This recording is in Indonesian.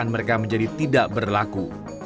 dan mereka menjadi tidak berlaku